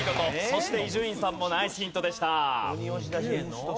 そして伊集院さんもナイスヒントでした。